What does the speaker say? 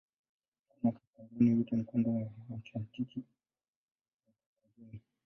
Mkono wa kaskazini huitwa "Mkondo wa Atlantiki ya Kaskazini".